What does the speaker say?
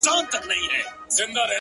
خوارسومه انجام مي د زړه ور مـات كړ.!